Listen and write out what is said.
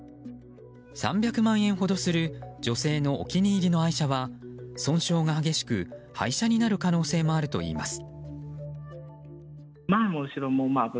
３００万円ほどする女性のお気に入りの愛車は損傷が激しく廃車になる可能性もあるといいます。